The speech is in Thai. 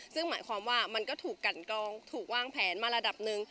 ซึ่งหมายความว่ามันก็ถูกกันกรองถูกวางแผนมาระดับหนึ่ง